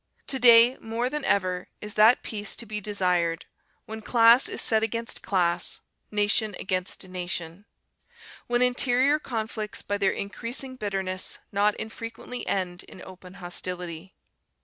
To day more than ever is that peace to be desired, when class is set against class, nation against nation; when interior conflicts by their increasing bitterness not infrequently end in open hostility.